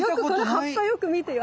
葉っぱよく見てよ